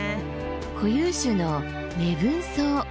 固有種のレブンソウ。